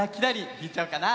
ひいちゃおうかな！